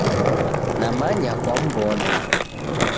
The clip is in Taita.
Namanya kwamw'ona.